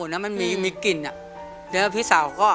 ทำไมถึงน่าสงสารสุดครับ